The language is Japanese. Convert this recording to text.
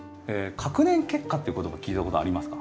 隔年結果っていう言葉聞いたことありますか？